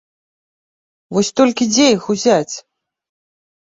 Вось толькі дзе іх узяць?